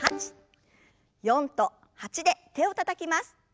４と８で手をたたきます。